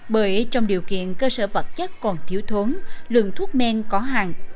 bởi trong điều kiện cơ sở vật chất còn thiếu thốn lượng thuốc men có hàng